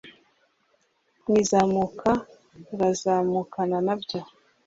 mu izamuka rurazamukana nabyo